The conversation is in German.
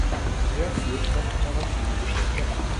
Er führt das operative Geschäft der Bank.